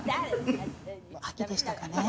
秋でしたかね。